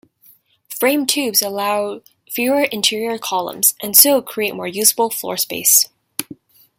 Framed tubes allow fewer interior columns, and so create more usable floor space.